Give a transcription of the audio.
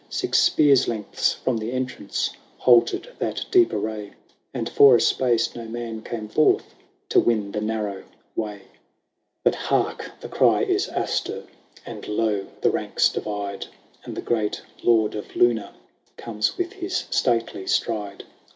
Six spears' lengths from the entrance Halted that deep array, And for a space no man came forth To win the narrow way. XLII. But hark ! the cry is Astur : And lo ! the ranks divide ; And the great Lord of Luna Comes with his stately stride.